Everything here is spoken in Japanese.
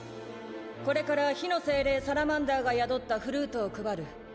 これから火の精霊サラマンダーが宿ったフルートを配る。